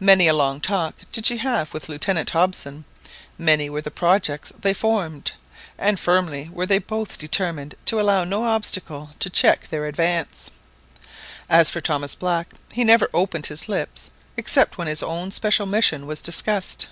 Many a long talk did she have with Lieutenant Hobson, many were the projects they formed, and firmly were they both determined to allow no obstacle to check their advance. As for Thomas Black, he never opened his lips except when his own special mission was discussed.